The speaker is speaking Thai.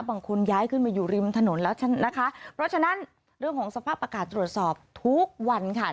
บางคนย้ายขึ้นมาอยู่ริมถนนแล้วนะคะเพราะฉะนั้นเรื่องของสภาพอากาศตรวจสอบทุกวันค่ะ